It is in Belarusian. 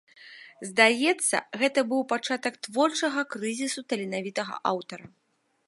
Здаецца, гэта быў пачатак творчага крызісу таленавітага аўтара.